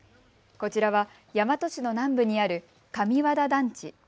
こちらは大和市の南部にある上和田団地。